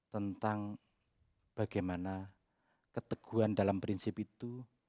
tentang bagaimana keteguhan dalam prinsip itu